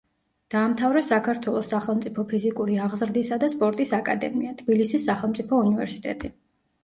დაამთავრა საქართველოს სახელმწიფო ფიზიკური აღზრდისა და სპორტის აკადემია; თბილისის სახელმწიფო უნივერსიტეტი.